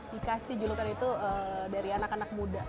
dikasih julukan itu dari anak anak muda